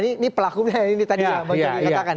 ini pelaku yang tadi yang mau dikatakan ya